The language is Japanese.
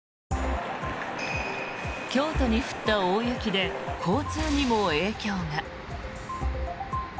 京都に降った大雪で交通にも影響が。